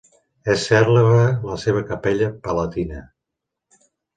És cèlebre la seva Capella Palatina.